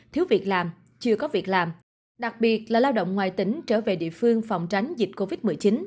thiếu việc làm chưa có việc làm đặc biệt là lao động ngoài tỉnh trở về địa phương phòng tránh dịch covid một mươi chín